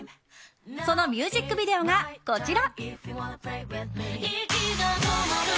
そのミュージックビデオがこちら。